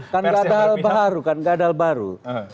kan gak ada hal baru